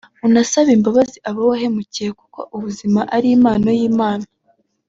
unasabe imbabazi abo wahemukiye kuko ubuzima ari impano y'Imana